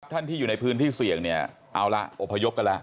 ท่านที่อยู่ในพื้นที่เสี่ยงเนี่ยเอาละอพยพกันแล้ว